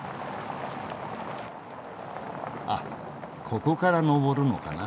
あっここから登るのかな？